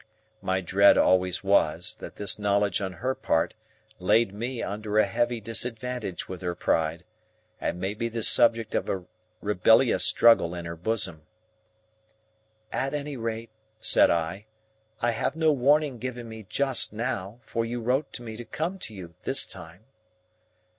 My dread always was, that this knowledge on her part laid me under a heavy disadvantage with her pride, and made me the subject of a rebellious struggle in her bosom. "At any rate," said I, "I have no warning given me just now, for you wrote to me to come to you, this time."